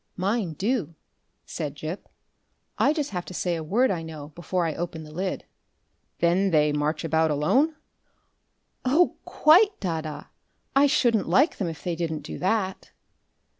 "Mine do," said Gip. "I just have to say a word I know before I open the lid." "Then they march about alone?" "Oh, QUITE, dadda. I shouldn't like them if they didn't do that."